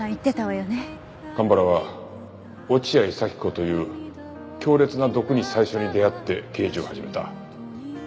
蒲原は落合佐妃子という強烈な毒に最初に出会って刑事を始めた。